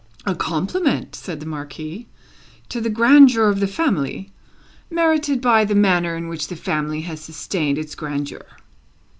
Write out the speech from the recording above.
"A compliment," said the Marquis, "to the grandeur of the family, merited by the manner in which the family has sustained its grandeur.